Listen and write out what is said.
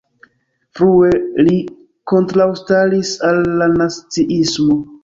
Frue li kontraŭstaris al la naziismo.